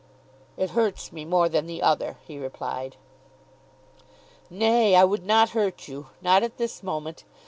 "It hurts me more than the other," he replied. "Nay, I would not hurt you, not at this moment.